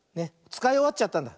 つかいおわっちゃったんだ。